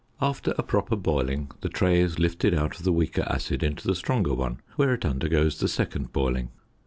After a proper boiling the tray is lifted out of the weaker acid into the stronger one, where it undergoes the second boiling.